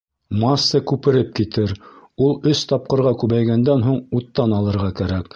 Масса күпереп китер, ул өс тапҡырға күбәйгәндән һуң, уттан алырға кәрәк.